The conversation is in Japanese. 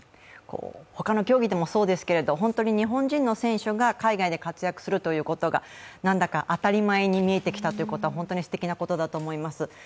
ほかの競技でもそうですけど、日本人の選手が海外で活躍するということが、何たが当たり前に見えてきたということは本当に素敵なことだと思います。